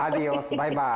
バイバイ。